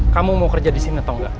kamu mau kerja di sini atau enggak